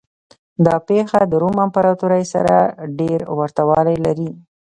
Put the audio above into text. دا پېښه د روم امپراتورۍ سره ډېر ورته والی لري.